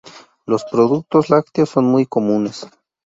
Los productos lácteos son muy comunes.